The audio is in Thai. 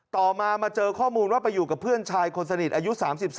ต่อมามาเจอข้อมูลว่าไปอยู่กับเพื่อนชายคนสนิทอายุ๓๓